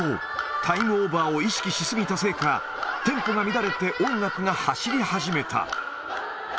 タイムオーバーを意識し過ぎたせいか、テンポが乱れて音楽が走り始めた。